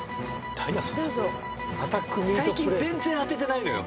最近全然当ててないのよ。